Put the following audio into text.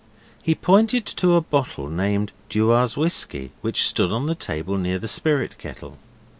He pointed to a bottle labelled Dewar's whisky, which stood on the table near the spirit kettle.